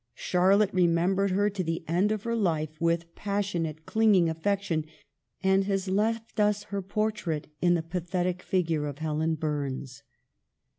Charlotte remembered her to the end of her life with passionate, clinging affection, and has left us her portrait in the' pathetic figure of Helen Burns.